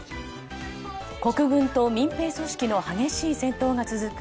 国軍と民兵組織の激しい戦闘が続く